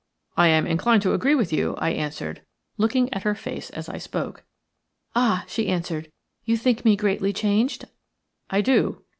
"I am inclined to agree with you," I answered, looking at her face as I spoke. "Ah," she answered, "you think me greatly changed?" "I do."